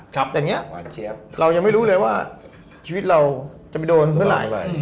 แต่อย่างนี้เรายังไม่รู้เลยว่าชีวิตเราจะไปโดนเมื่อไหร่